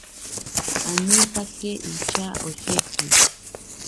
Anitake isha osheki.